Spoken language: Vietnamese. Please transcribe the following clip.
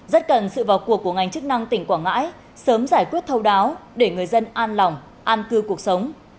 rất cần sự vào cuộc của ngành chức năng tỉnh quảng ngãi sớm giải quyết thâu đáo để người dân an lòng an cư cuộc sống